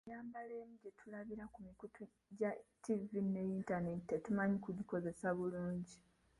Ennyambala emu gye tulabira ku mikutu nga ttivi ne yintaneeti tetumanyi kugikozesa bulungi.